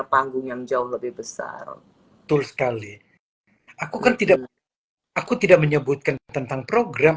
panggung yang jauh lebih besar betul sekali aku kan tidak aku tidak menyebutkan tentang program